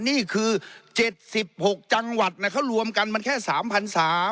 นี่คือ๗๖จังหวัดนะครับรวมกันมันแค่๓๓๐๐ล้าน